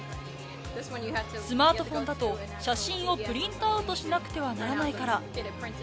スマートフォンだと写真をプリントアウトしなくてはならないから。